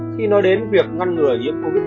khi nói đến việc ngăn ngừa nhiễm covid một mươi chín